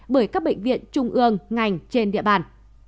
bởi các bệnh viện trung ương ngành trên địa bàn